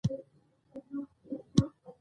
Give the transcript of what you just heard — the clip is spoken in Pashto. راټولېدو او يا د سيلاب خطر موجود وي،